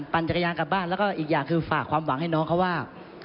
จักรยานกลับบ้านแล้วก็อีกอย่างคือฝากความหวังให้น้องเขาว่า